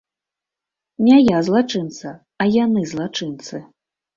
Не я злачынца, а яны злачынцы.